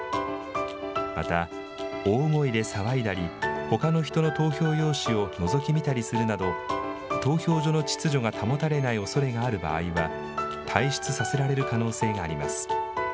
また大声で騒いだり、ほかの人の投票用紙をのぞき見たりするなど、投票所の秩序が保たれないおそれがある場合は、退出させられる可能性があります。